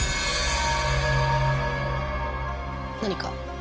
何か？